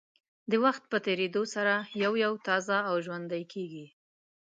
د وخت په تېرېدو سره یو یو تازه او ژوندۍ کېږي.